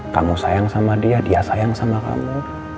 kamu sayang sama dia dia sayang sama kamu